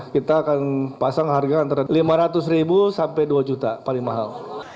kita akan pasang harga antara lima ratus ribu sampai dua juta paling mahal